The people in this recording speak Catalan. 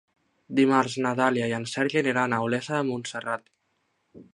Dimarts na Dàlia i en Sergi aniran a Olesa de Montserrat.